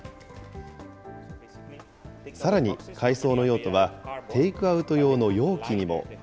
さらに、海藻の用途はテイクアウト用の容器にも。